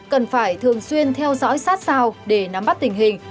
cần phải thường xuyên theo dõi sát sao để nắm bắt tình hình